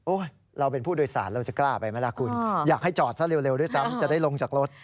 โอ๊ยเราเป็นผู้โดยสารเราจะกล้าไปจะได้ลงจากรถ